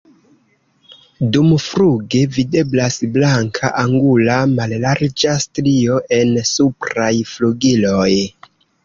Dumfluge videblas blanka angula mallarĝa strio en supraj flugiloj.